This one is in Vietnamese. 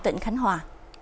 tỉnh khánh hòa